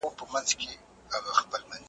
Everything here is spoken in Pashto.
چرګ باید ورو ورو ویلې شي.